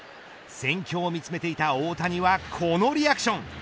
戦況を見つめていた大谷はこのリアクション。